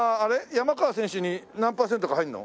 山川選手に何パーセントか入るの？